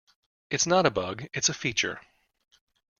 It's not a bug, it's a feature!